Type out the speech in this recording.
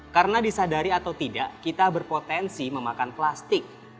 karena disadari atau tidak kita berpotensi memakan plastik